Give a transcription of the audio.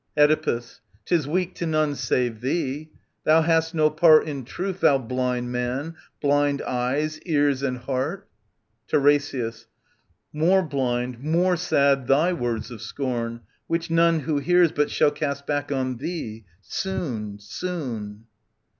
Oedipus. *Tis weak to none save thee. Thou hast no part In truth, thou blind man, blind eyes, ears and heart. TiRESIAS. More blind, more sad thy words of scorn, which none Who hears but shall cast back on thee : soon, soon.